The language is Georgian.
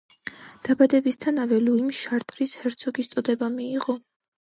დაბადებისთანავე ლუიმ შარტრის ჰერცოგის წოდება მიიღო.